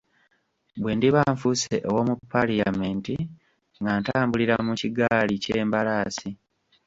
Bwe ndiba nfuuse ow'omu Parliament nga ntambulira mu kigaali kyembalaasi